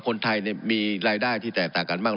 คนไทยมีรายได้ที่แตกต่างกันมาก